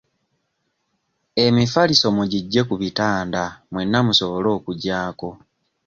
Emifaaliso mugiggye ku bitanda mwenna musobole okugyako.